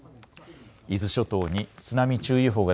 伊豆諸島に津波注意報が